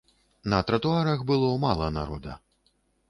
На тратуарах было мала народа.